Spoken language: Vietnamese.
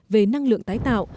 về năng lượng tái tạo